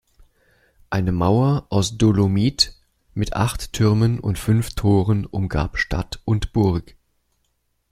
Eine Mauer aus Dolomit mit acht Türmen und fünf Toren umgab Stadt und Burg.